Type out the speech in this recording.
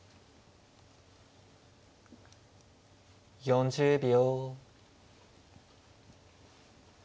４０秒。